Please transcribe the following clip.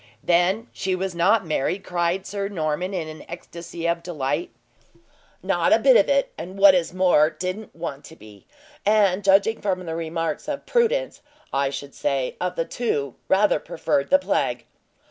"Then she was not married?" cried Sir Norman, in an ecstasy of delight. "Not a bit of it; and what is more, didn't want to be; and judging from the remarks of Prudence, I should say, of the two, rather preferred the plague."